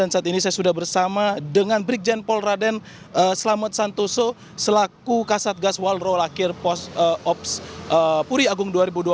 sudah bersama dengan brigjen polraden selamut santoso selaku kasatgas walro lakir puri agung dua ribu dua puluh empat